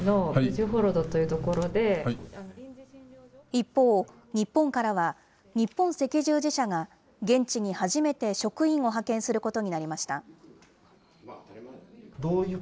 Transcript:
一方、日本からは、日本赤十字社が現地に初めて職員を派遣することになりました。